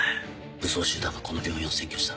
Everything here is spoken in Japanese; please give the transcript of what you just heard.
武装集団がこの病院を占拠した。